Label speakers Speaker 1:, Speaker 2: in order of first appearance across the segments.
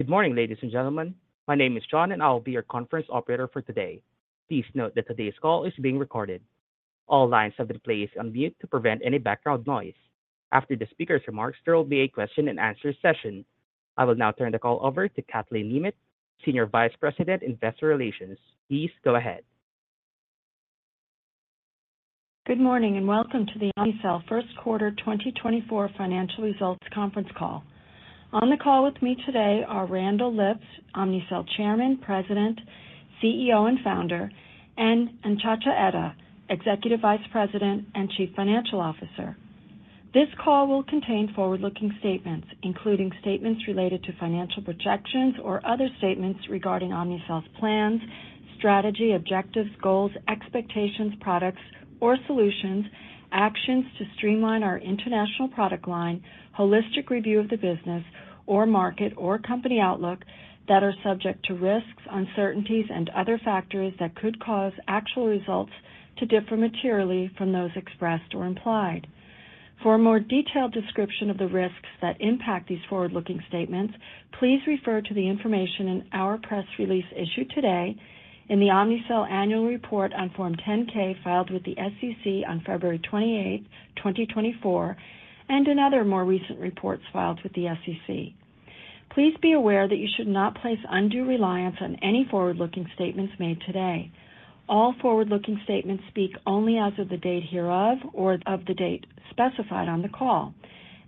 Speaker 1: Good morning, ladies and gentlemen. My name is John, and I will be your conference operator for today. Please note that today's call is being recorded. All lines have been placed on mute to prevent any background noise. After the speaker's remarks, there will be a question-and-answer session. I will now turn the call over to Kathleen Nemeth, Senior Vice President Investor Relations. Please go ahead.
Speaker 2: Good morning and welcome to the Omnicell First Quarter 2024 Financial Results Conference Call. On the call with me today are Randall Lipps, Omnicell Chairman, President, CEO, and Founder, and Nchacha Etta, Executive Vice President and Chief Financial Officer. This call will contain forward-looking statements, including statements related to financial projections or other statements regarding Omnicell's plans, strategy, objectives, goals, expectations, products, or solutions, actions to streamline our international product line, holistic review of the business, or market or company outlook that are subject to risks, uncertainties, and other factors that could cause actual results to differ materially from those expressed or implied. For a more detailed description of the risks that impact these forward-looking statements, please refer to the information in our press release issued today, in the Omnicell Annual Report on Form 10-K filed with the SEC on February 28, 2024, and in other more recent reports filed with the SEC. Please be aware that you should not place undue reliance on any forward-looking statements made today. All forward-looking statements speak only as of the date hereof or of the date specified on the call.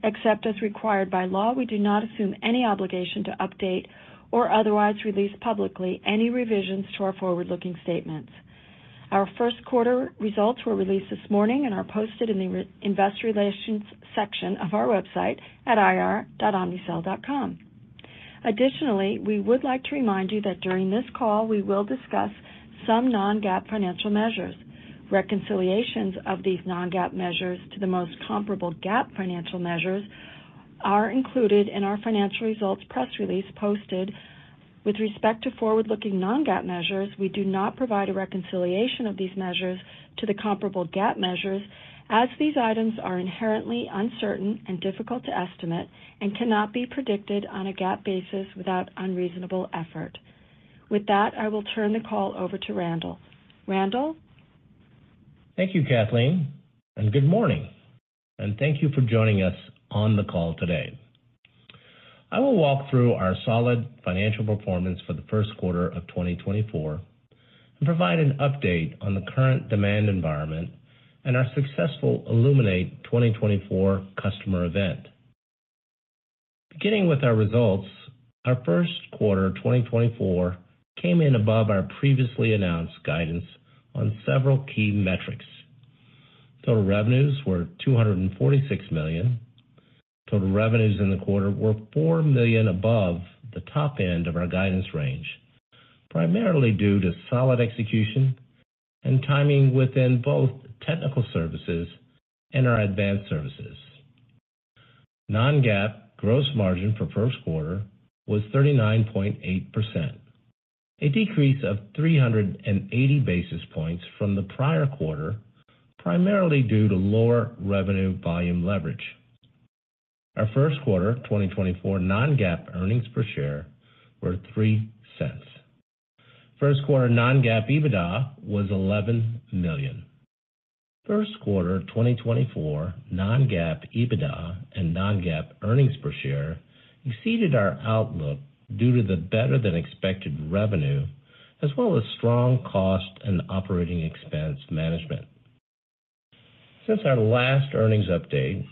Speaker 2: Except as required by law, we do not assume any obligation to update or otherwise release publicly any revisions to our forward-looking statements. Our First Quarter results were released this morning and are posted in the Investor Relations section of our website at ir.omnicell.com. Additionally, we would like to remind you that during this call we will discuss some non-GAAP financial measures. Reconciliations of these non-GAAP measures to the most comparable GAAP financial measures are included in our Financial Results Press Release posted. With respect to forward-looking non-GAAP measures, we do not provide a reconciliation of these measures to the comparable GAAP measures, as these items are inherently uncertain and difficult to estimate and cannot be predicted on a GAAP basis without unreasonable effort. With that, I will turn the call over to Randall. Randall?
Speaker 3: Thank you, Kathleen, and good morning. Thank you for joining us on the call today. I will walk through our solid financial performance for the first quarter of 2024 and provide an update on the current demand environment and our successful Illuminate 2024 customer event. Beginning with our results, our first quarter 2024 came in above our previously announced guidance on several key metrics. Total revenues were $246 million. Total revenues in the quarter were $4 million above the top end of our guidance range, primarily due to solid execution and timing within both technical services and our advanced services. Non-GAAP gross margin for first quarter was 39.8%, a decrease of 380 basis points from the prior quarter, primarily due to lower revenue volume leverage. Our first quarter 2024 non-GAAP earnings per share were $0.03. First quarter non-GAAP EBITDA was $11 million. First quarter 2024 non-GAAP EBITDA and non-GAAP earnings per share exceeded our outlook due to the better-than-expected revenue as well as strong cost and operating expense management. Since our last earnings update,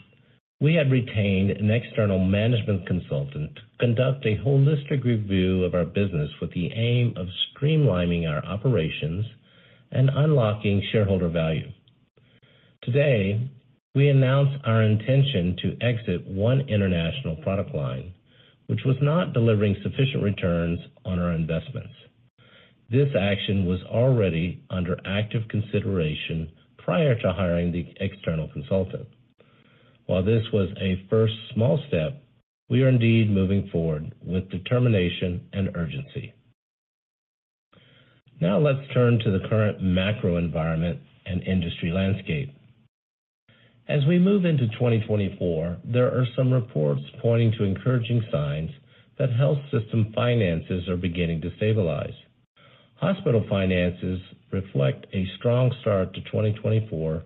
Speaker 3: we had retained an external management consultant to conduct a holistic review of our business with the aim of streamlining our operations and unlocking shareholder value. Today, we announced our intention to exit one international product line, which was not delivering sufficient returns on our investments. This action was already under active consideration prior to hiring the external consultant. While this was a first small step, we are indeed moving forward with determination and urgency. Now let's turn to the current macro environment and industry landscape. As we move into 2024, there are some reports pointing to encouraging signs that health system finances are beginning to stabilize. Hospital finances reflect a strong start to 2024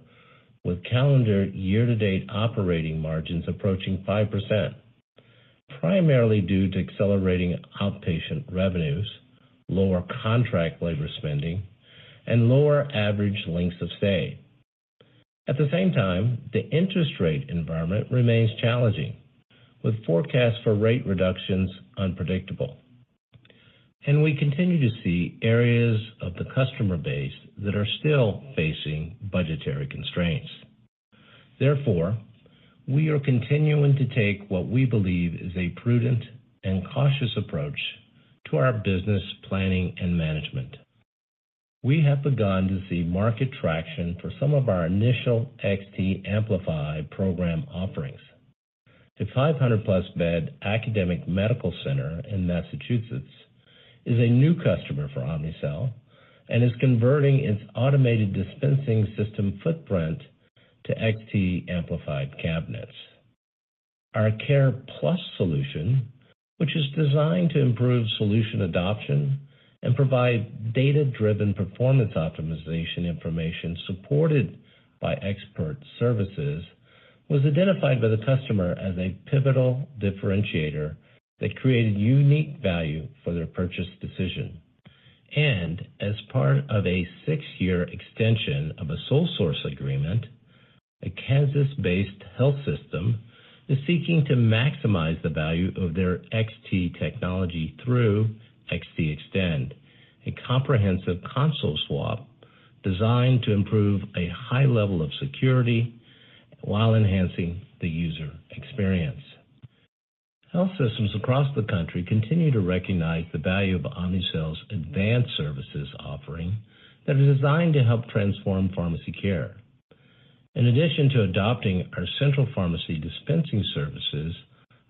Speaker 3: with calendar year-to-date operating margins approaching 5%, primarily due to accelerating outpatient revenues, lower contract labor spending, and lower average lengths of stay. At the same time, the interest rate environment remains challenging, with forecasts for rate reductions unpredictable, and we continue to see areas of the customer base that are still facing budgetary constraints. Therefore, we are continuing to take what we believe is a prudent and cautious approach to our business planning and management. We have begun to see market traction for some of our initial XT Amplify program offerings. The 500+ bed academic medical center in Massachusetts is a new customer for Omnicell and is converting its automated dispensing system footprint to XT Amplify cabinets. Our CarePlus solution, which is designed to improve solution adoption and provide data-driven performance optimization information supported by expert services, was identified by the customer as a pivotal differentiator that created unique value for their purchase decision. As part of a six-year extension of a sole source agreement, a Kansas-based health system is seeking to maximize the value of their XT technology through XT Extend, a comprehensive console swap designed to improve a high level of security while enhancing the user experience. Health systems across the country continue to recognize the value of Omnicell's advanced services offering that are designed to help transform pharmacy care. In addition to adopting our central pharmacy dispensing services,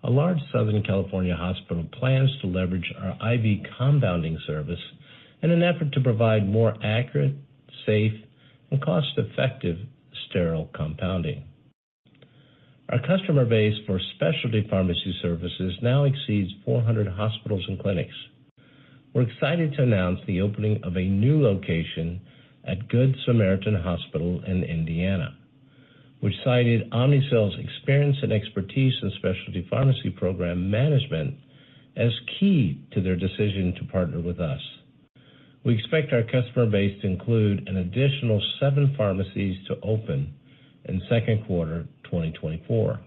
Speaker 3: a large Southern California hospital plans to leverage our IV compounding service in an effort to provide more accurate, safe, and cost-effective sterile compounding. Our customer base for Specialty Pharmacy Services now exceeds 400 hospitals and clinics. We're excited to announce the opening of a new location at Good Samaritan Hospital in Indiana, which cited Omnicell's experience and expertise in specialty pharmacy program management as key to their decision to partner with us. We expect our customer base to include an additional seven pharmacies to open in second quarter 2024.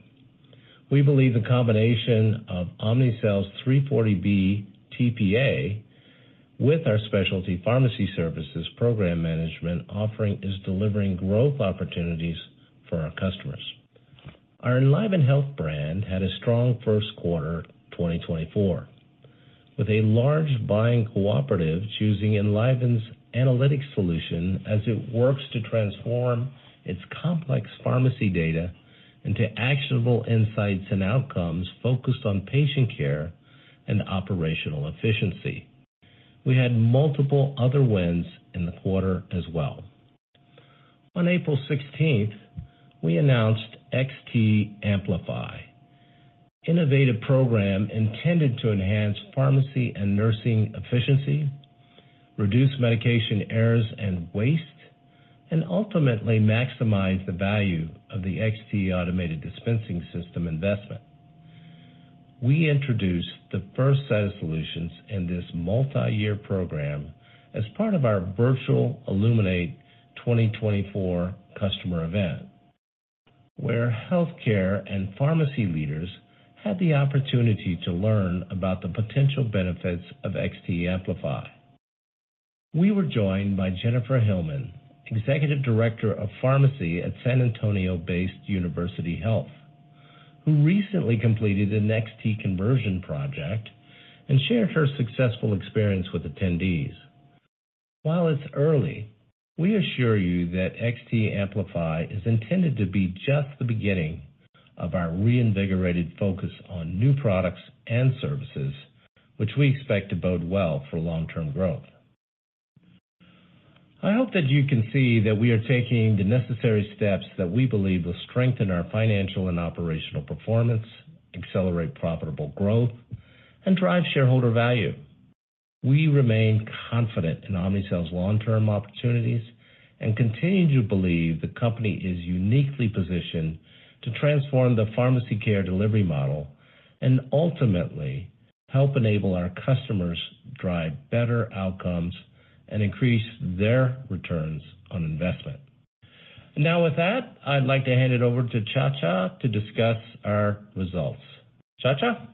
Speaker 3: We believe the combination of Omnicell's 340B TPA with our Specialty Pharmacy Services program management offering is delivering growth opportunities for our customers. Our EnlivenHealth brand had a strong first quarter 2024, with a large buying cooperative choosing EnlivenHealth's analytics solution as it works to transform its complex pharmacy data into actionable insights and outcomes focused on patient care and operational efficiency. We had multiple other wins in the quarter as well. On April 16th, we announced XT Amplify, an innovative program intended to enhance pharmacy and nursing efficiency, reduce medication errors and waste, and ultimately maximize the value of the XT automated dispensing system investment. We introduced the first set of solutions in this multi-year program as part of our virtual Illuminate 2024 customer event, where healthcare and pharmacy leaders had the opportunity to learn about the potential benefits of XT Amplify. We were joined by Jennifer Hillman, Executive Director of Pharmacy at San Antonio-based University Health, who recently completed an XT conversion project and shared her successful experience with attendees. While it's early, we assure you that XT Amplify is intended to be just the beginning of our reinvigorated focus on new products and services, which we expect to bode well for long-term growth. I hope that you can see that we are taking the necessary steps that we believe will strengthen our financial and operational performance, accelerate profitable growth, and drive shareholder value. We remain confident in Omnicell's long-term opportunities and continue to believe the company is uniquely positioned to transform the pharmacy care delivery model and ultimately help enable our customers drive better outcomes and increase their returns on investment. Now, with that, I'd like to hand it over to Nchacha to discuss our results. Nchacha?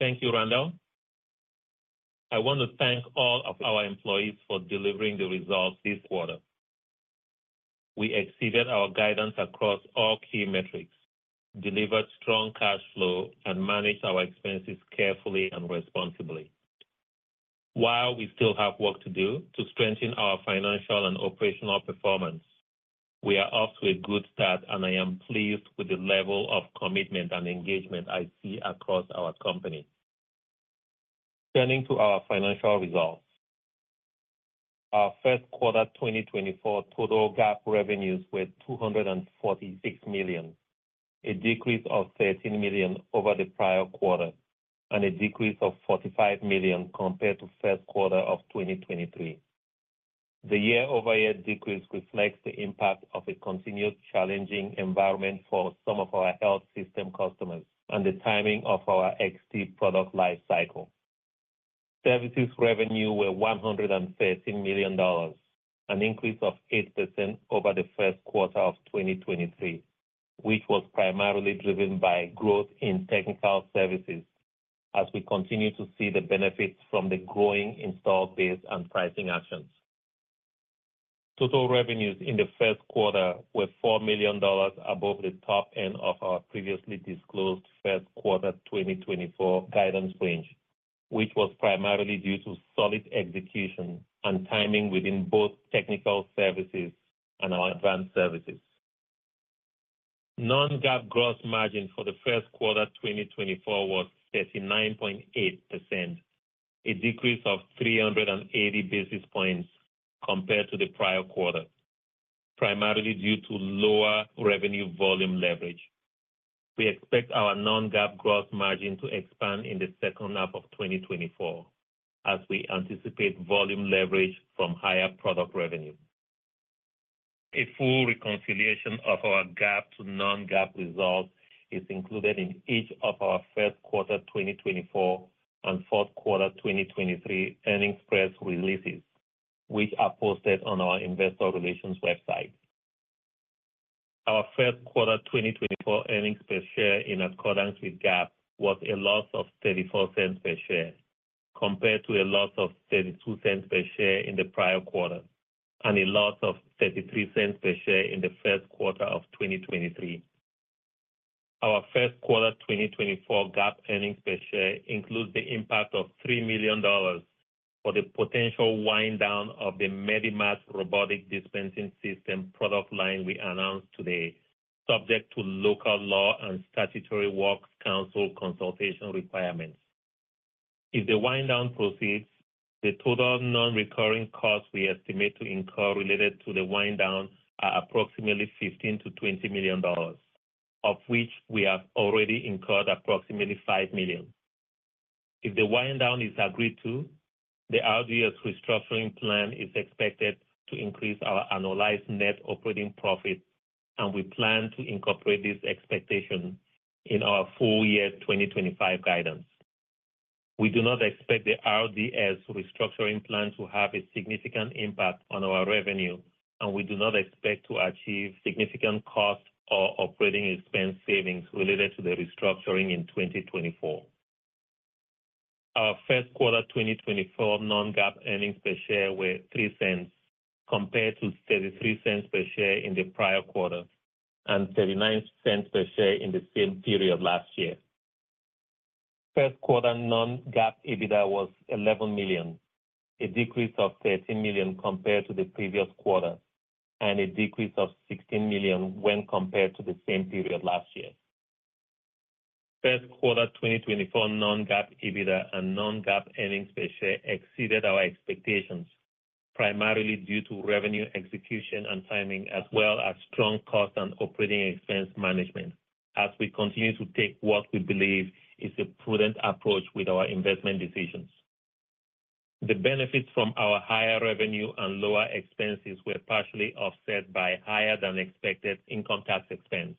Speaker 4: Thank you, Randall. I want to thank all of our employees for delivering the results this quarter. We exceeded our guidance across all key metrics, delivered strong cash flow, and managed our expenses carefully and responsibly. While we still have work to do to strengthen our financial and operational performance, we are off to a good start, and I am pleased with the level of commitment and engagement I see across our company. Turning to our financial results. Our first quarter 2024 total GAAP revenues were $246 million, a decrease of $13 million over the prior quarter and a decrease of $45 million compared to first quarter of 2023. The year-over-year decrease reflects the impact of a continued challenging environment for some of our health system customers and the timing of our XT product lifecycle. Services revenue were $113 million, an increase of 8% over the first quarter of 2023, which was primarily driven by growth in technical services as we continue to see the benefits from the growing install base and pricing actions. Total revenues in the first quarter were $4 million above the top end of our previously disclosed first quarter 2024 guidance range, which was primarily due to solid execution and timing within both technical services and our advanced services. Non-GAAP gross margin for the first quarter 2024 was 39.8%, a decrease of 380 basis points compared to the prior quarter, primarily due to lower revenue volume leverage. We expect our non-GAAP gross margin to expand in the second half of 2024 as we anticipate volume leverage from higher product revenue. A full reconciliation of our GAAP to non-GAAP results is included in each of our first quarter 2024 and fourth quarter 2023 earnings press releases, which are posted on our Investor Relations website. Our first quarter 2024 earnings per share in accordance with GAAP was a loss of $0.34 per share compared to a loss of $0.32 per share in the prior quarter and a loss of $0.33 per share in the first quarter of 2023. Our first quarter 2024 GAAP earnings per share includes the impact of $3 million for the potential wind-down of the Medimat robotic dispensing system product line we announced today, subject to local law and statutory works council consultation requirements. If the wind-down proceeds, the total non-recurring costs we estimate to incur related to the wind-down are approximately $15 million-$20 million, of which we have already incurred approximately $5 million. If the wind-down is agreed to, the RDS restructuring plan is expected to increase our annualized net operating profit, and we plan to incorporate this expectation in our full-year 2025 guidance. We do not expect the RDS restructuring plan to have a significant impact on our revenue, and we do not expect to achieve significant cost or operating expense savings related to the restructuring in 2024. Our first quarter 2024 non-GAAP earnings per share were $0.03 compared to $0.33 per share in the prior quarter and $0.39 per share in the same period last year. First quarter non-GAAP EBITDA was $11 million, a decrease of $13 million compared to the previous quarter and a decrease of $16 million when compared to the same period last year. First quarter 2024 non-GAAP EBITDA and non-GAAP earnings per share exceeded our expectations, primarily due to revenue execution and timing as well as strong cost and operating expense management as we continue to take what we believe is a prudent approach with our investment decisions. The benefits from our higher revenue and lower expenses were partially offset by higher-than-expected income tax expense.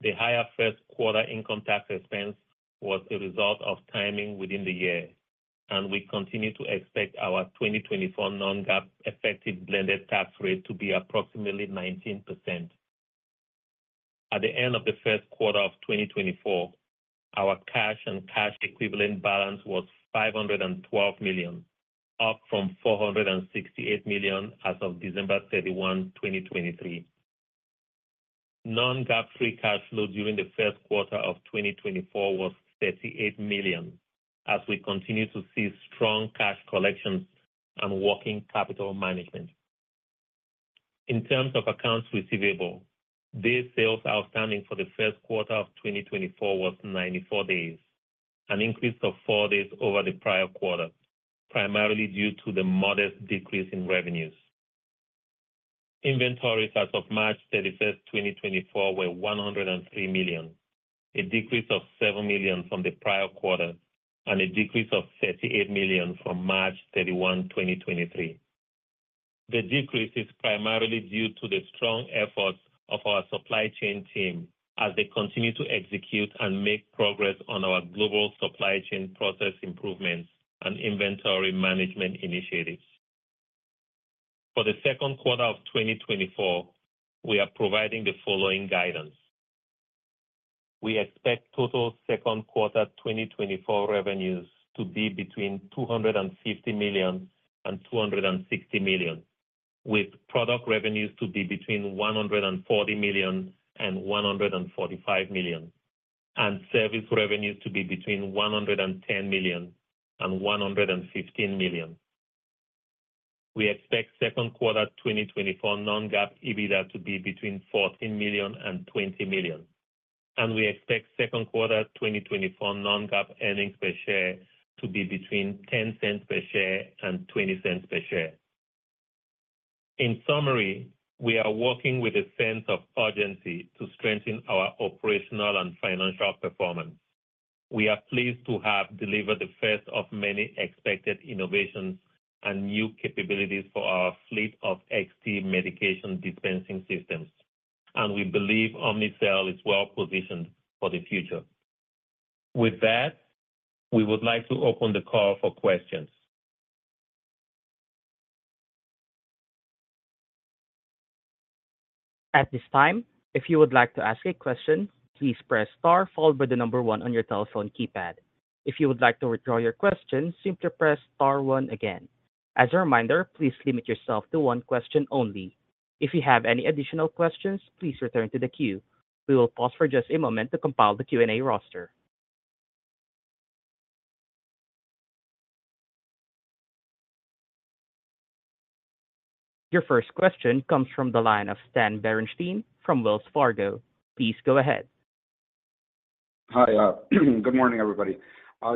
Speaker 4: The higher first quarter income tax expense was a result of timing within the year, and we continue to expect our 2024 non-GAAP effective blended tax rate to be approximately 19%. At the end of the first quarter of 2024, our cash and cash equivalent balance was $512 million, up from $468 million as of December 31, 2023. Non-GAAP free cash flow during the first quarter of 2024 was $38 million as we continue to see strong cash collections and working capital management. In terms of accounts receivable, day sales outstanding for the first quarter of 2024 was 94 days, an increase of 4 days over the prior quarter, primarily due to the modest decrease in revenues. Inventories as of March 31, 2024, were $103 million, a decrease of $7 million from the prior quarter and a decrease of $38 million from March 31, 2023. The decrease is primarily due to the strong efforts of our supply chain team as they continue to execute and make progress on our global supply chain process improvements and inventory management initiatives. For the second quarter of 2024, we are providing the following guidance. We expect total second quarter 2024 revenues to be between $250 million and $260 million, with product revenues to be between $140 million and $145 million, and service revenues to be between $110 million and $115 million. We expect second quarter 2024 non-GAAP EBITDA to be between $14 million and $20 million, and we expect second quarter 2024 non-GAAP earnings per share to be between $0.10 per share and $0.20 per share. In summary, we are working with a sense of urgency to strengthen our operational and financial performance. We are pleased to have delivered the first of many expected innovations and new capabilities for our fleet of XT medication dispensing systems, and we believe Omnicell is well positioned for the future. With that, we would like to open the call for questions.
Speaker 1: At this time, if you would like to ask a question, please press * followed by the number 1 on your telephone keypad. If you would like to withdraw your question, simply press * 1 again. As a reminder, please limit yourself to one question only. If you have any additional questions, please return to the queue. We will pause for just a moment to compile the Q&A roster. Your first question comes from the line of Stan Berenshteyn from Wells Fargo. Please go ahead.
Speaker 5: Hi. Good morning, everybody.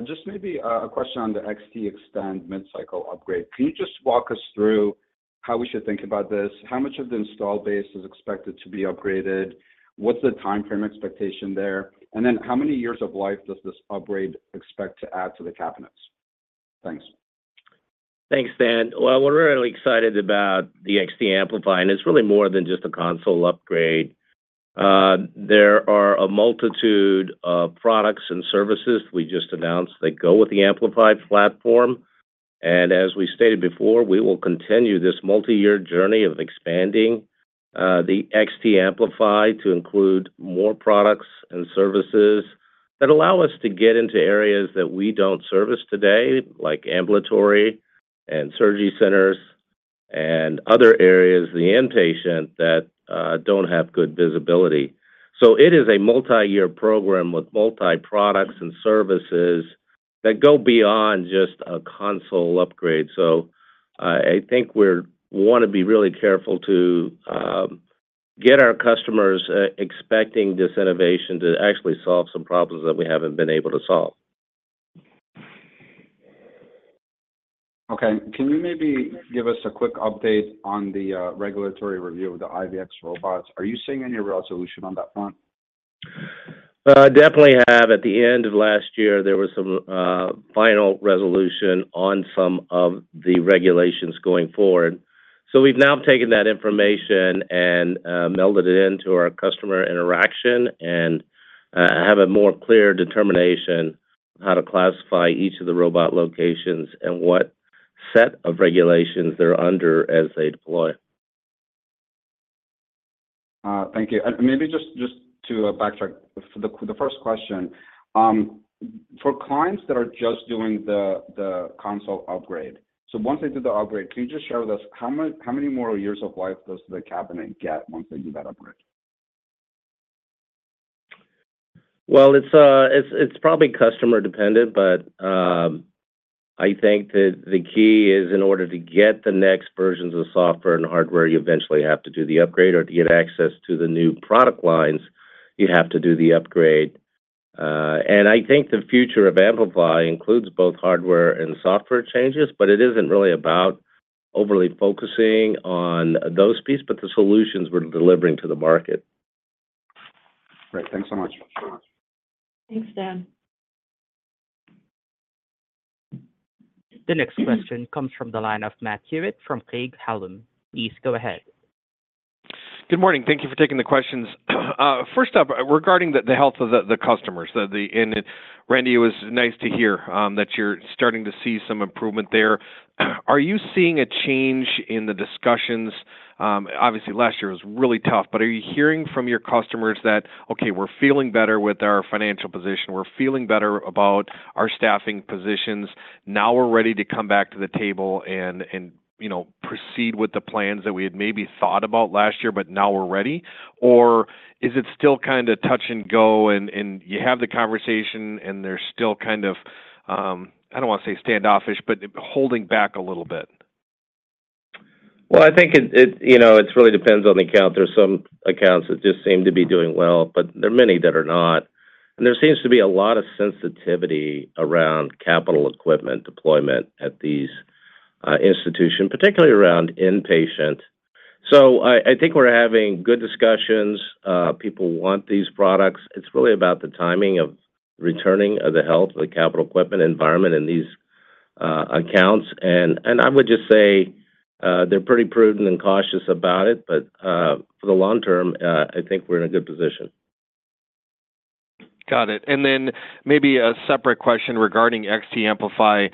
Speaker 5: Just maybe a question on the XT Extend mid-cycle upgrade. Can you just walk us through how we should think about this? How much of the installed base is expected to be upgraded? What's the time frame expectation there? And then how many years of life does this upgrade expect to add to the cabinets? Thanks.
Speaker 3: Thanks, Stan. Well, what we're really excited about the XT Amplify and it's really more than just a console upgrade. There are a multitude of products and services we just announced that go with the Amplify platform. As we stated before, we will continue this multi-year journey of expanding the XT Amplify to include more products and services that allow us to get into areas that we don't service today, like ambulatory and surgery centers and other areas, the inpatient, that don't have good visibility. So it is a multi-year program with multi-products and services that go beyond just a console upgrade. So I think we want to be really careful to get our customers expecting this innovation to actually solve some problems that we haven't been able to solve.
Speaker 5: Okay. Can you maybe give us a quick update on the regulatory review of the IVX robots? Are you seeing any real solution on that front?
Speaker 3: We definitely have. At the end of last year, there was some final resolution on some of the regulations going forward. So we've now taken that information and melded it into our customer interaction and have a more clear determination of how to classify each of the robot locations and what set of regulations they're under as they deploy.
Speaker 5: Thank you. Maybe just to backtrack to the first question. For clients that are just doing the console upgrade, so once they do the upgrade, can you just share with us how many more years of life does the cabinet get once they do that upgrade?
Speaker 3: Well, it's probably customer-dependent, but I think that the key is in order to get the next versions of software and hardware, you eventually have to do the upgrade. Or to get access to the new product lines, you have to do the upgrade. And I think the future of Amplify includes both hardware and software changes, but it isn't really about overly focusing on those pieces, but the solutions we're delivering to the market.
Speaker 5: Great. Thanks so much.
Speaker 2: Thanks, Stan.
Speaker 1: The next question comes from the line of Matt Hewitt from Craig-Hallum. Please go ahead.
Speaker 6: Good morning. Thank you for taking the questions. First up, regarding the health of the customers, Randy, it was nice to hear that you're starting to see some improvement there. Are you seeing a change in the discussions? Obviously, last year was really tough, but are you hearing from your customers that, "Okay, we're feeling better with our financial position. We're feeling better about our staffing positions. Now we're ready to come back to the table and proceed with the plans that we had maybe thought about last year, but now we're ready"? Or is it still kind of touch and go and you have the conversation and they're still kind of, I don't want to say standoffish, but holding back a little bit?
Speaker 3: Well, I think it really depends on the account. There's some accounts that just seem to be doing well, but there are many that are not. And there seems to be a lot of sensitivity around capital equipment deployment at these institutions, particularly around inpatient. So I think we're having good discussions. People want these products. It's really about the timing of returning of the health of the capital equipment environment in these accounts. And I would just say they're pretty prudent and cautious about it, but for the long term, I think we're in a good position.
Speaker 6: Got it. And then maybe a separate question regarding XT Amplify.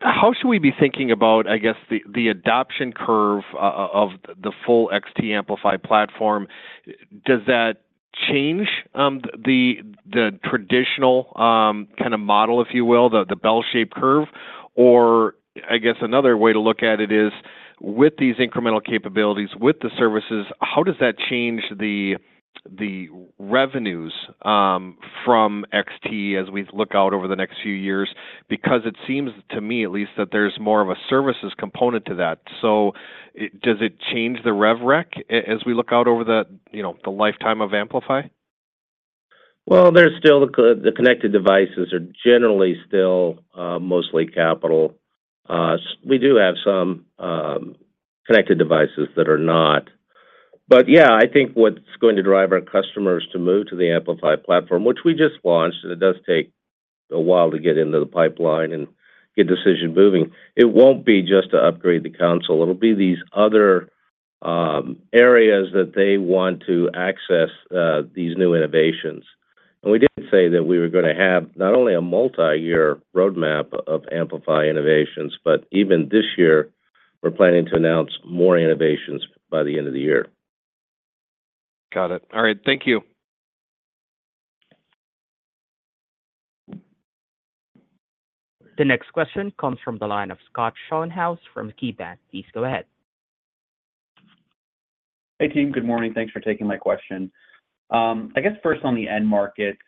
Speaker 6: How should we be thinking about, I guess, the adoption curve of the full XT Amplify platform? Does that change the traditional kind of model, if you will, the bell-shaped curve? Or I guess another way to look at it is, with these incremental capabilities, with the services, how does that change the revenues from XT as we look out over the next few years? Because it seems to me, at least, that there's more of a services component to that. So does it change the rev rec as we look out over the lifetime of Amplify?
Speaker 3: Well, there's still the connected devices are generally still mostly capital. We do have some connected devices that are not. But yeah, I think what's going to drive our customers to move to the Amplify platform, which we just launched and it does take a while to get into the pipeline and get decision-moving, it won't be just to upgrade the console. It'll be these other areas that they want to access these new innovations. And we did say that we were going to have not only a multi-year roadmap of Amplify innovations, but even this year, we're planning to announce more innovations by the end of the year.
Speaker 6: Got it. All right. Thank you.
Speaker 1: The next question comes from the line of Scott Schoenhaus from KeyBanc. Please go ahead.
Speaker 7: Hey, team. Good morning. Thanks for taking my question. I guess first on the end markets,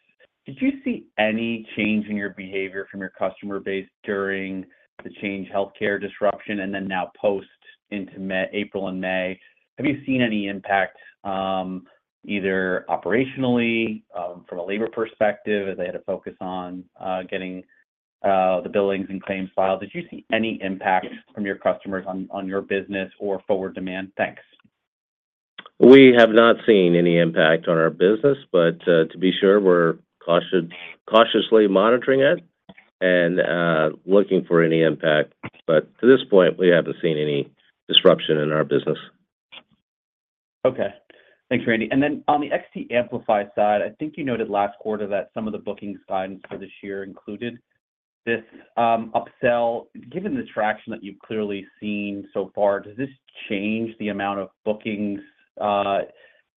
Speaker 7: did you see any change in your behavior from your customer base during the Change Healthcare disruption and then now post into April and May? Have you seen any impact either operationally from a labor perspective as they had to focus on getting the billings and claims filed? Did you see any impact from your customers on your business or forward demand? Thanks.
Speaker 3: We have not seen any impact on our business, but to be sure, we're cautiously monitoring it and looking for any impact. But to this point, we haven't seen any disruption in our business.
Speaker 7: Okay. Thanks, Randy. And then on the XT Amplify side, I think you noted last quarter that some of the bookings guidance for this year included this upsell. Given the traction that you've clearly seen so far, does this change the amount of bookings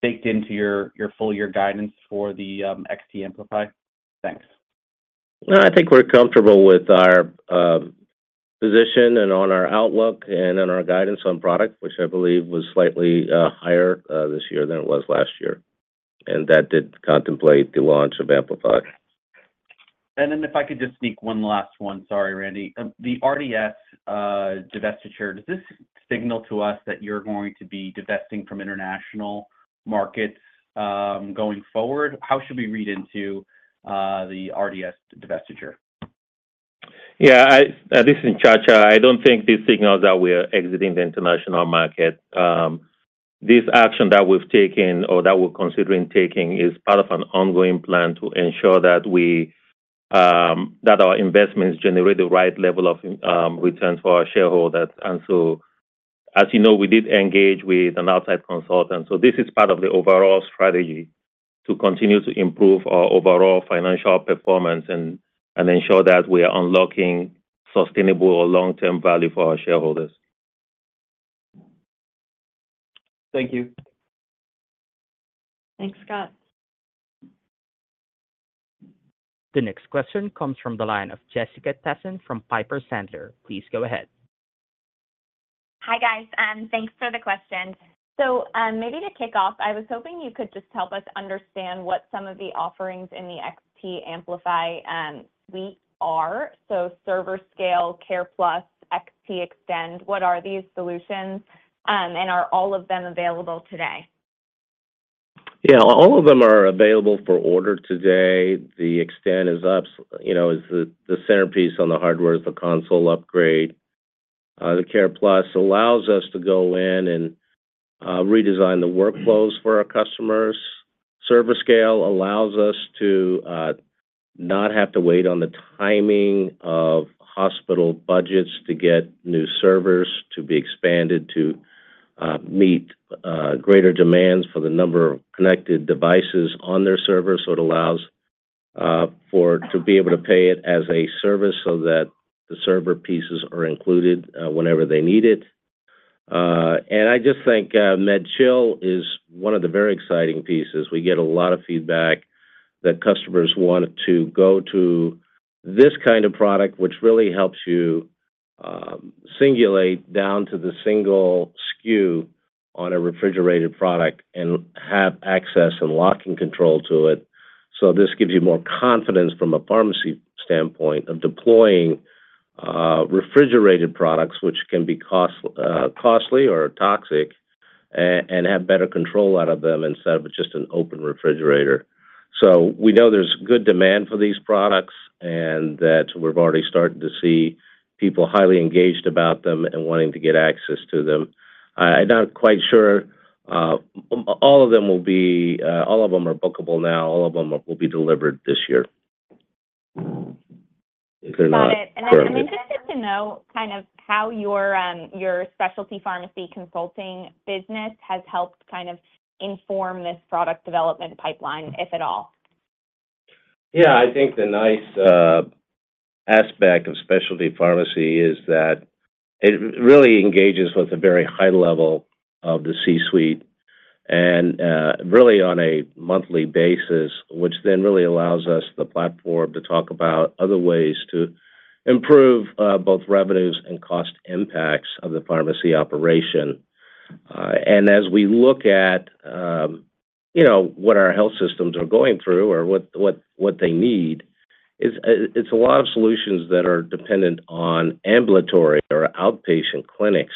Speaker 7: baked into your full-year guidance for the XT Amplify? Thanks.
Speaker 3: I think we're comfortable with our position and on our outlook and on our guidance on product, which I believe was slightly higher this year than it was last year. And that did contemplate the launch of Amplify.
Speaker 7: And then if I could just sneak one last one, sorry, Randy. The RDS divestiture, does this signal to us that you're going to be divesting from international markets going forward? How should we read into the RDS divestiture?
Speaker 4: Yeah. This is Nchacha. I don't think this signals that we're exiting the international market. This action that we've taken or that we're considering taking is part of an ongoing plan to ensure that our investments generate the right level of returns for our shareholders. And so as you know, we did engage with an outside consultant. So this is part of the overall strategy to continue to improve our overall financial performance and ensure that we are unlocking sustainable or long-term value for our shareholders.
Speaker 7: Thank you.
Speaker 2: Thanks, Scott.
Speaker 1: The next question comes from the line of Jessica Tassan from Piper Sandler. Please go ahead.
Speaker 8: Hi, guys. Thanks for the questions. So maybe to kick off, I was hoping you could just help us understand what some of the offerings in the XT Amplify suite are. So ServerScale, CarePlus, XT Extend, what are these solutions? And are all of them available today?
Speaker 3: Yeah. All of them are available for order today. The XT Extend is up as the centerpiece on the hardware, the console upgrade. The CarePlus allows us to go in and redesign the workflows for our customers. ServerScale allows us to not have to wait on the timing of hospital budgets to get new servers to be expanded to meet greater demands for the number of connected devices on their servers. So it allows for to be able to pay it as a service so that the server pieces are included whenever they need it. And I just think MedChill is one of the very exciting pieces. We get a lot of feedback that customers want to go to this kind of product, which really helps you singulate down to the single SKU on a refrigerated product and have access and locking control to it. So this gives you more confidence from a pharmacy standpoint of deploying refrigerated products, which can be costly or toxic, and have better control out of them instead of just an open refrigerator. So we know there's good demand for these products and that we're already starting to see people highly engaged about them and wanting to get access to them. I'm not quite sure all of them will be all of them are bookable now. All of them will be delivered this year if they're not currently.
Speaker 8: Got it. I mean, just good to know kind of how your specialty pharmacy consulting business has helped kind of inform this product development pipeline, if at all?
Speaker 3: Yeah. I think the nice aspect of specialty pharmacy is that it really engages with a very high level of the C-suite and really on a monthly basis, which then really allows us, the platform, to talk about other ways to improve both revenues and cost impacts of the pharmacy operation. And as we look at what our health systems are going through or what they need, it's a lot of solutions that are dependent on ambulatory or outpatient clinics.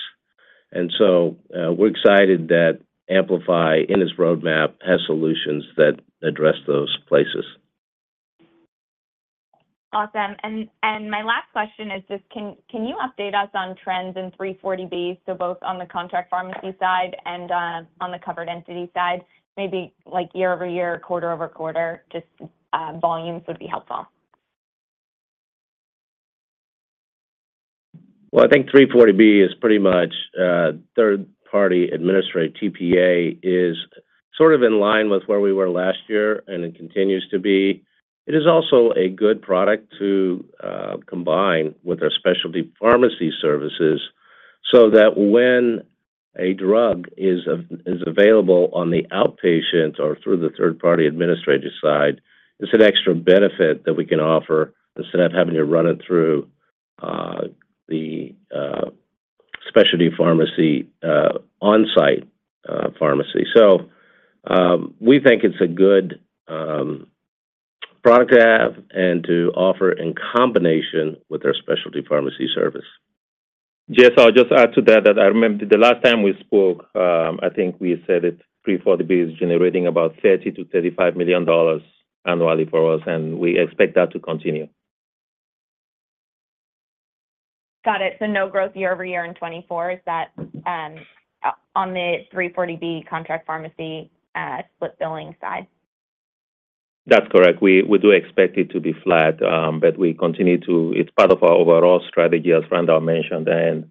Speaker 3: And so we're excited that Amplify, in its roadmap, has solutions that address those places.
Speaker 8: Awesome. And my last question is just, can you update us on trends in 340B, so both on the contract pharmacy side and on the covered entity side, maybe year-over-year, quarter-over-quarter? Just volumes would be helpful.
Speaker 3: Well, I think 340B is pretty much third-party administrator TPA, is sort of in line with where we were last year and it continues to be. It is also a good product to combine with our Specialty Pharmacy Services so that when a drug is available on the outpatient or through the third-party administrator side, it's an extra benefit that we can offer instead of having to run it through the specialty pharmacy on-site pharmacy. So we think it's a good product to have and to offer in combination with our Specialty Pharmacy Services.
Speaker 4: Yes. I'll just add to that that I remember the last time we spoke, I think we said that 340B is generating about $30 million-$35 million annually for us, and we expect that to continue.
Speaker 8: Got it. So no growth year-over-year in 2024. Is that on the 340B contract pharmacy split billing side?
Speaker 4: That's correct. We do expect it to be flat, but it's part of our overall strategy, as Randall mentioned, and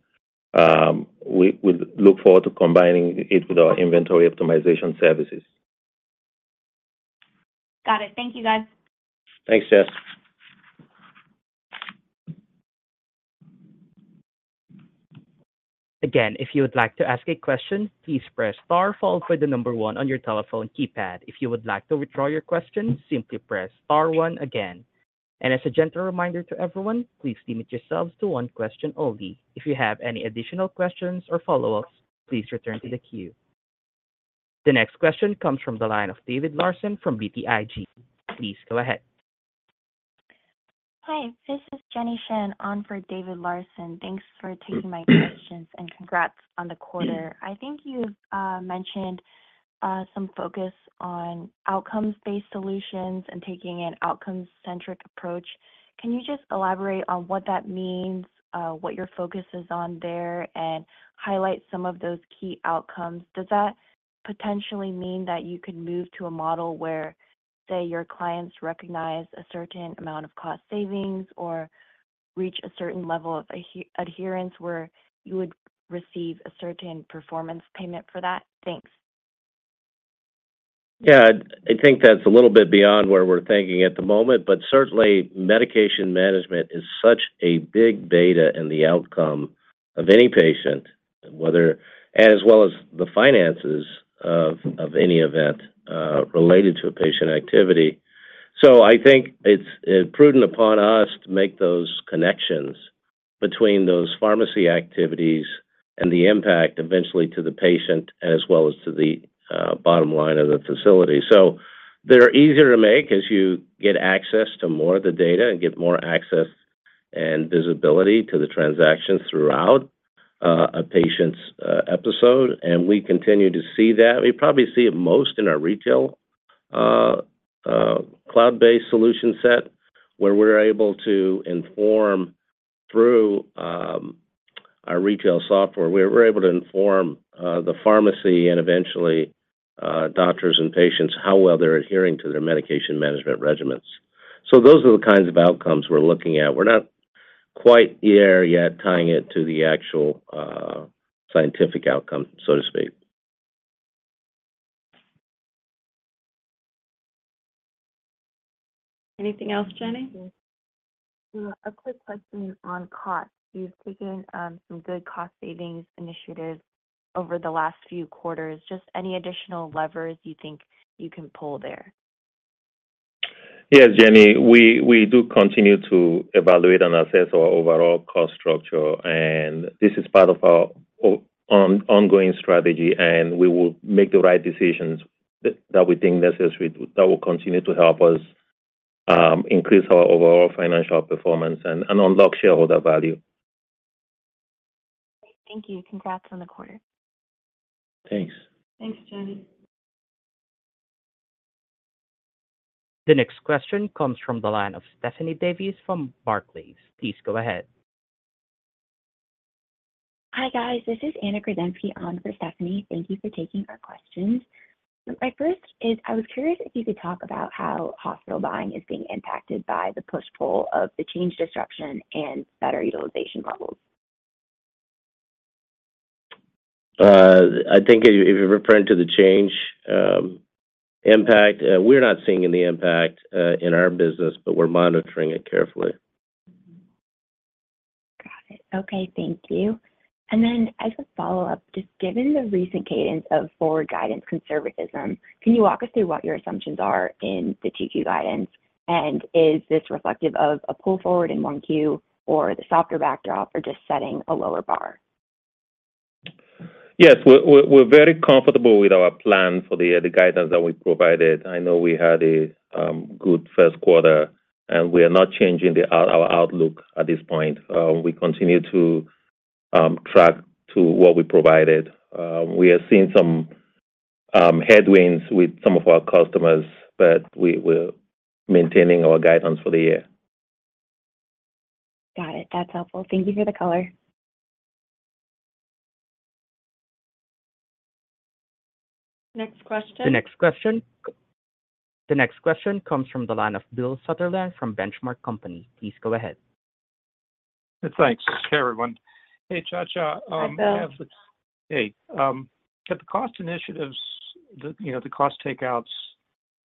Speaker 4: we look forward to combining it with our inventory optimization services.
Speaker 8: Got it. Thank you, guys.
Speaker 3: Thanks, Jess.
Speaker 1: Again, if you would like to ask a question, please press star, then for the number one on your telephone keypad. If you would like to withdraw your question, simply press star one again. And as a gentle reminder to everyone, please limit yourselves to one question only. If you have any additional questions or follow-ups, please return to the queue. The next question comes from the line of David Larson from BTIG. Please go ahead.
Speaker 9: Hi. This is Jenny Shen on for David Larson. Thanks for taking my questions and congrats on the quarter. I think you've mentioned some focus on outcomes-based solutions and taking an outcome-centric approach. Can you just elaborate on what that means, what your focus is on there, and highlight some of those key outcomes? Does that potentially mean that you could move to a model where, say, your clients recognize a certain amount of cost savings or reach a certain level of adherence where you would receive a certain performance payment for that? Thanks.
Speaker 3: Yeah. I think that's a little bit beyond where we're thinking at the moment, but certainly, medication management is such a big bet in the outcome of any patient, as well as the finances of any event related to a patient activity. So I think it's prudent upon us to make those connections between those pharmacy activities and the impact eventually to the patient as well as to the bottom line of the facility. So they're easier to make as you get access to more of the data and get more access and visibility to the transactions throughout a patient's episode. And we continue to see that. We probably see it most in our retail cloud-based solution set where we're able to inform through our retail software. We're able to inform the pharmacy and eventually doctors and patients how well they're adhering to their medication management regimens. Those are the kinds of outcomes we're looking at. We're not quite there yet tying it to the actual scientific outcome, so to speak.
Speaker 2: Anything else, Jenny?
Speaker 9: A quick question on cost. You've taken some good cost savings initiatives over the last few quarters. Just any additional levers you think you can pull there?
Speaker 4: Yes, Jenny. We do continue to evaluate and assess our overall cost structure. This is part of our ongoing strategy, and we will make the right decisions that we think necessary that will continue to help us increase our overall financial performance and unlock shareholder value.
Speaker 9: Thank you. Congrats on the quarter.
Speaker 3: Thanks.
Speaker 2: Thanks, Jenny.
Speaker 1: The next question comes from the line of Stephanie Davis from Barclays. Please go ahead.
Speaker 10: Hi, guys. This is Anna Kruszenski on for Stephanie. Thank you for taking our questions. My first is I was curious if you could talk about how hospital buying is being impacted by the push-pull of the Change disruption and better utilization levels.
Speaker 3: I think if you're referring to the Change impact, we're not seeing any impact in our business, but we're monitoring it carefully.
Speaker 10: Got it. Okay. Thank you. And then as a follow-up, just given the recent cadence of forward guidance conservatism, can you walk us through what your assumptions are in the Q guidance? And is this reflective of a pull forward in Q1 or the softer backdrop or just setting a lower bar?
Speaker 4: Yes. We're very comfortable with our plan for the guidance that we provided. I know we had a good first quarter, and we are not changing our outlook at this point. We continue to track to what we provided. We are seeing some headwinds with some of our customers, but we're maintaining our guidance for the year.
Speaker 10: Got it. That's helpful. Thank you for the color.
Speaker 2: Next question.
Speaker 1: The next question comes from the line of Bill Sutherland from The Benchmark Company. Please go ahead.
Speaker 11: Thanks. Hey, everyone. Hey, Nchacha.
Speaker 2: Hi, Bill.
Speaker 11: Hey. Got the cost initiatives, the cost takeouts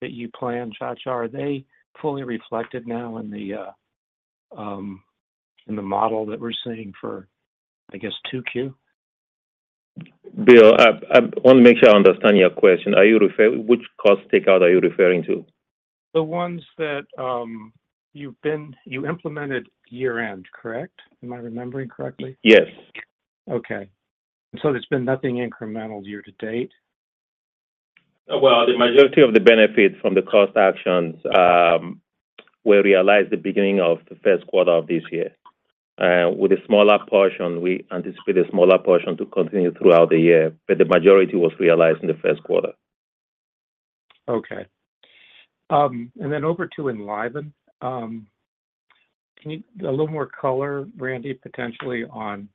Speaker 11: that you plan, Nchacha, are they fully reflected now in the model that we're seeing for, I guess, 2Q?
Speaker 4: Bill, I want to make sure I understand your question. Which cost takeout are you referring to?
Speaker 11: The ones that you implemented year-end, correct? Am I remembering correctly?
Speaker 4: Yes.
Speaker 11: Okay. And so there's been nothing incremental year to date?
Speaker 4: Well, the majority of the benefits from the cost actions were realized at the beginning of the first quarter of this year. With a smaller portion, we anticipate a smaller portion to continue throughout the year, but the majority was realized in the first quarter.
Speaker 11: Okay. And then over to Enliven. A little more color, Randy, potentially, on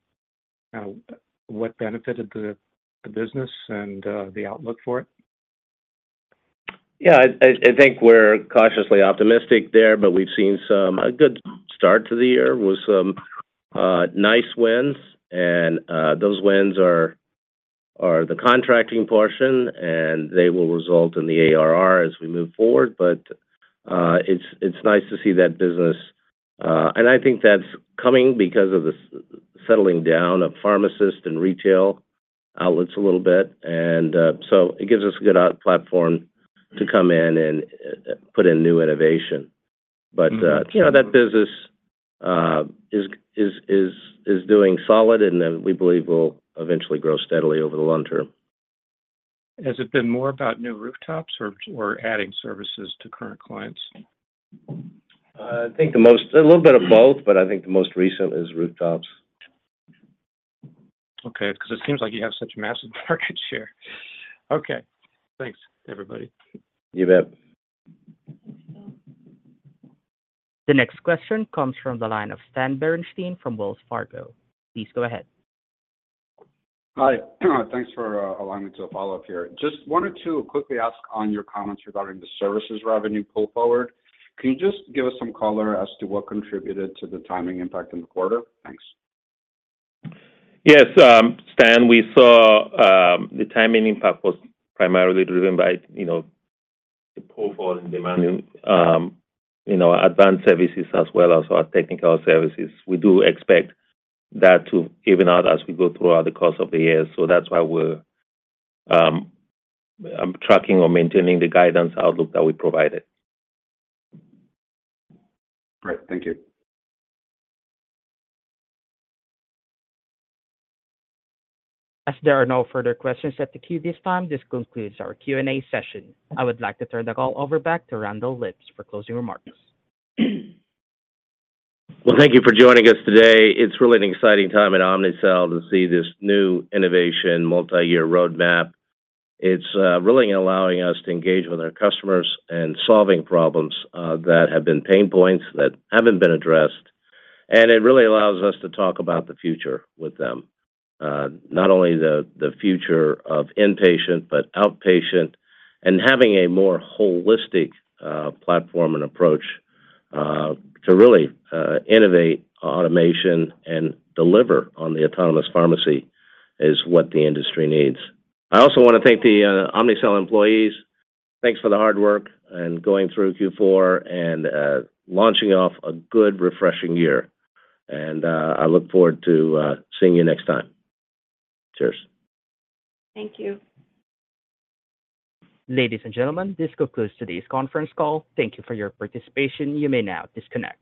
Speaker 11: what benefited the business and the outlook for it.
Speaker 3: Yeah. I think we're cautiously optimistic there, but we've seen a good start to the year with some nice wins. And those wins are the contracting portion, and they will result in the ARR as we move forward. But it's nice to see that business, and I think that's coming because of the settling down of pharmacists and retail outlets a little bit. And so it gives us a good platform to come in and put in new innovation. But that business is doing solid, and we believe will eventually grow steadily over the long term.
Speaker 11: Has it been more about new rooftops or adding services to current clients?
Speaker 3: I think a little bit of both, but I think the most recent is rooftops.
Speaker 11: Okay. Because it seems like you have such massive market share. Okay. Thanks, everybody.
Speaker 3: You bet.
Speaker 1: The next question comes from the line of Stan Berenshteyn from Wells Fargo. Please go ahead.
Speaker 5: Hi. Thanks for allowing me to follow up here. Just wanted to quickly ask on your comments regarding the services revenue pull forward. Can you just give us some color as to what contributed to the timing impact in the quarter? Thanks.
Speaker 4: Yes. Stan, we saw the timing impact was primarily driven by the pull forward in demanding advanced services as well as our technical services. We do expect that to even out as we go throughout the course of the year. So that's why we're tracking or maintaining the guidance outlook that we provided.
Speaker 5: Great. Thank you.
Speaker 1: As there are no further questions at the queue this time, this concludes our Q&A session. I would like to turn the call over back to Randall Lipps for closing remarks.
Speaker 3: Well, thank you for joining us today. It's really an exciting time at Omnicell to see this new innovation multi-year roadmap. It's really allowing us to engage with our customers and solving problems that have been pain points that haven't been addressed. And it really allows us to talk about the future with them, not only the future of inpatient but outpatient, and having a more holistic platform and approach to really innovate automation and deliver on the autonomous pharmacy is what the industry needs. I also want to thank the Omnicell employees. Thanks for the hard work and going through Q4 and launching off a good, refreshing year. And I look forward to seeing you next time. Cheers.
Speaker 2: Thank you.
Speaker 1: Ladies and gentlemen, this concludes today's conference call. Thank you for your participation. You may now disconnect.